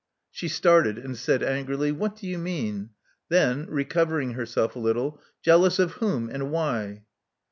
She started and said angrily. *'What do you mean?" Then, recovering herself a little, Jealous of whom; and why?"